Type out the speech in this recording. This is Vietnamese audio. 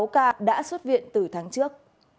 một mươi sáu ca đã xuất viện từ tháng trước